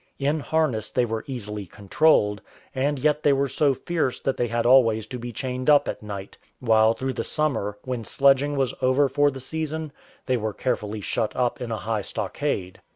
In harness they were easily controlled, and yet they were so fierce that they had always to be chained up at night; while through the summer, when sledging was over for the season, they were carefully shut up in a high stockade.